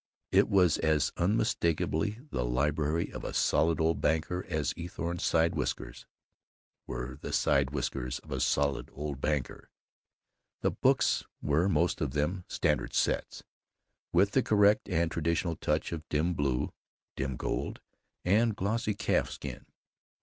It was as unmistakably the library of a solid old banker as Eathorne's side whiskers were the side whiskers of a solid old banker. The books were most of them Standard Sets, with the correct and traditional touch of dim blue, dim gold, and glossy calf skin.